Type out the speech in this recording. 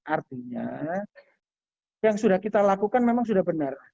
artinya yang sudah kita lakukan memang sudah benar